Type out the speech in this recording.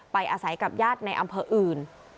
อาศัยกับญาติในอำเภออื่น